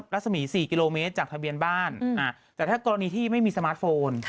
รัศมี๔กิโลเมตรจากทะเบียนบ้านแต่ถ้ากรณีที่ไม่มีสมาร์ทโฟน